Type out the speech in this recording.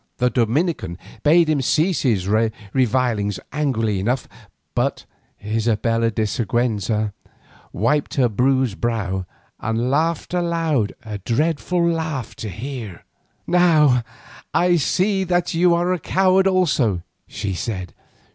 The Dominican bade him cease his revilings angrily enough, but Isabella de Siguenza wiped her bruised brow and laughed aloud a dreadful laugh to hear. "Now I see that you are a coward also," she said.